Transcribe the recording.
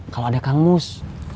kalau ada kang mus